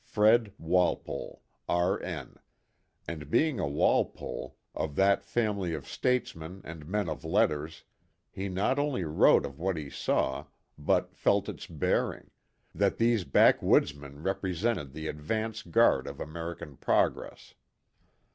Fred. Wal pok, R. N." and being a Walpole, of that family of statesmen and men of letters, he not only wrote of what he saw, but felt its bearing that these "backwoodsmen" represented the advance guard of American progress.